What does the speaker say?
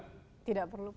tidak perlu pak